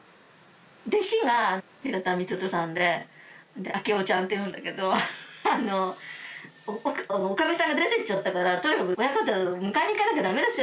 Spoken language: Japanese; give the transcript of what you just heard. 弟子が平田満さんで昭夫ちゃんっていうんだけどおかみさんが出てっちゃったから「とにかく親方迎えに行かなきゃ駄目ですよ」